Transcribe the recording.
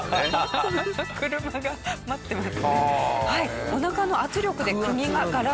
車が待ってますね。